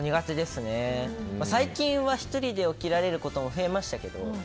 最近は、１人で起きられることも増えましたけど。